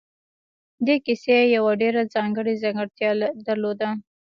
دې کيسې يوه ډېره ځانګړې ځانګړتيا درلوده.